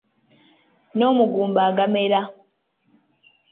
N'omugumba agamera.